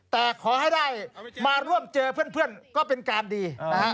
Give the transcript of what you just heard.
แต่ขอให้ได้มาร่วมเจอเพื่อนก็เป็นการดีนะฮะ